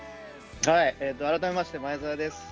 改めまして前澤です。